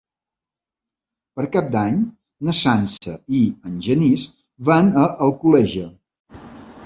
Per Cap d'Any na Sança i en Genís van a Alcoleja.